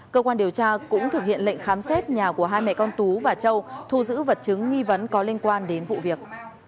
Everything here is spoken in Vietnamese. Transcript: cơ quan điều tra cũng thực hiện lệnh khám xét nhà của hai mẹ con tú và châu thu giữ vật chứng nghi vấn có liên quan đến vụ việc